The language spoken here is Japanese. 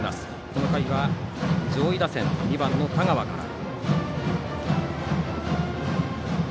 この回は上位打線２番の田川から。